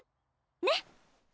ねっ！